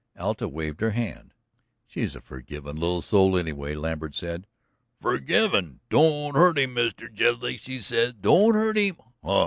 Alta waved her hand. "She's a forgivin' little soul, anyway," Lambert said. "Forgivin'! 'Don't hurt him, Mr. Jedlick,' she says, 'don't hurt him!' Huh!